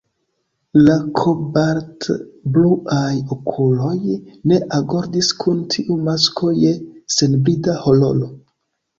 La kobaltbluaj okuloj ne agordis kun tiu masko je senbrida hororo.